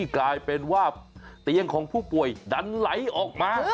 กลายเป็นว่าเตียงของผู้ป่วยดันไหลออกมา